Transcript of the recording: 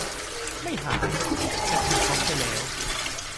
ไม่หาย แต่ถูกก๊อปไปแล้ว?